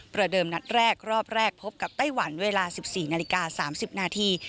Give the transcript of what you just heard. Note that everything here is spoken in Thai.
เดิมนัดแรกรอบแรกพบกับไต้หวันเวลา๑๔นาฬิกา๓๐นาที